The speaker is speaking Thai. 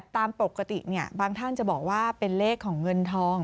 ตามปกติบางท่านจะบอกว่าเป็นเลขของเงินทอง